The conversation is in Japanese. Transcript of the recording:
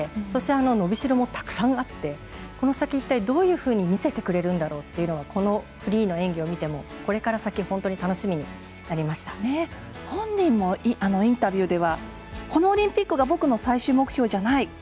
そして、伸びしろもたくさんあってこの先、一体どういうふうに見せてくれるんだろうというのがこのフリーの演技を見てもこれから先本人もインタビューではこのオリンピックが僕の最終目標じゃない。